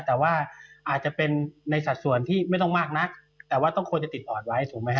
แต่ว่าอาจจะเป็นในสัดส่วนที่ไม่ต้องมากนักแต่ว่าต้องควรจะติดออร์ดไว้ถูกไหมฮ